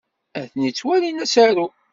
Atni ttwalin asaru.